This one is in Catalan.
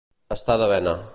Estar de vena.